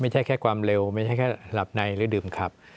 ไม่ใช่แค่ความเร็วไม่ใช่แค่หลับในหรือดื่มขับ